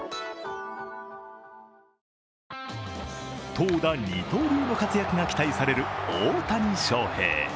投打二刀流の活躍が期待される大谷翔平。